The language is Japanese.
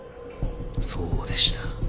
そうでした。